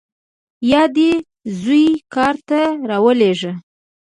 یا دې زوی کار ته راولېږه.